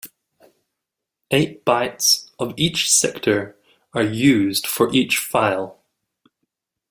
Eight bytes of each sector are used for each file.